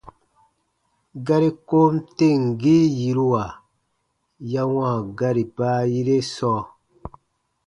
Gari kom temgii yiruwa ya wãa gari baayire sɔɔ.